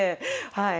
はい。